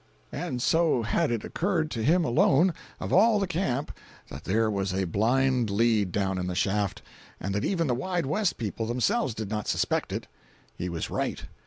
And so had it occurred to him alone, of all the camp, that there was a blind lead down in the shaft, and that even the Wide West people themselves did not suspect it. He was right.